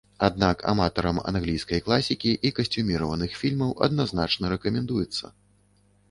Аднак аматарам англійскай класікі і касцюміраваных фільмаў адназначна рэкамендуецца.